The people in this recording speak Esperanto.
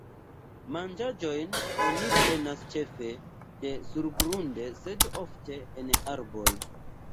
Manĝaĵojn oni prenas ĉefe de surgrunde sed ofte en arboj.